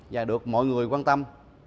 và được mọi người quan tâm